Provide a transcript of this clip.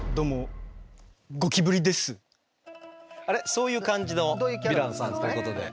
そういう感じのヴィランさんということで？